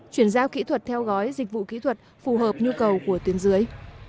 chuyển giao kỹ thuật theo gói dịch vụ kỹ thuật phù hợp nhu cầu của tuyến dưới